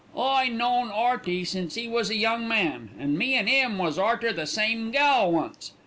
I known 'Earty since 'e was a young man, and me an' 'im was arter the same gal once.